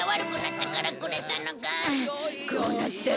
こうなったら。